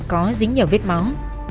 có dính nhiều vết máu